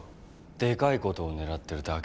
でかいことを狙ってるだけだって。